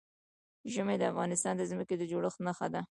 ژمی د افغانستان د ځمکې د جوړښت نښه ده.